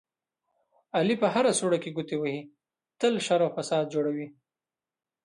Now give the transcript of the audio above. علي په هره سوړه کې ګوتې وهي، تل شر او فساد جوړوي.